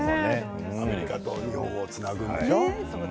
アメリカと両方をつなぐんでしょ。